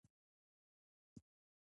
ټول قومونه یو افغان ولس دی.